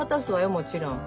もちろん。